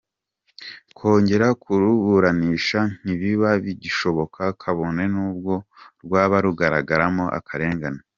Kongera kuruburanisha ntibiba bigishoboka kabone n’ubwo rwaba rugaragaramo akarengane.